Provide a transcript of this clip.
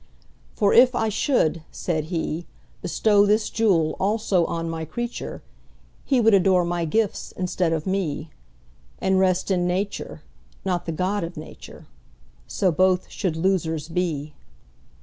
For if I should (said He)Bestow this jewel also on My creature, He would adore My gifts instead of Me, And rest in Nature, not the God of Nature:So both should losers be.